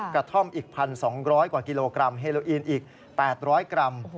กระท่อมอีก๑๒๐๐กว่ากิโลกรัมเฮโลอีนอีก๘๐๐กรัม